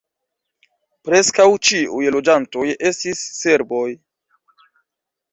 Preskaŭ ĉiu loĝantoj estas serboj.